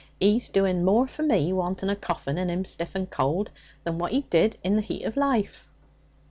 He's doing more for me, wanting a coffin, and him stiff and cold, than what he did in the heat of life.'